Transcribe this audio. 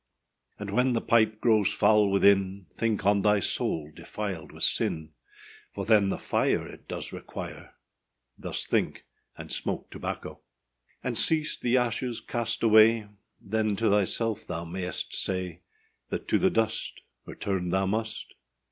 And when the pipe grows foul within, Think on thy soul defiled with sin; For then the fire It does require: Thus think, and smoke tobacco. And seest the ashes cast away, Then to thyself thou mayest say, That to the dust Return thou must.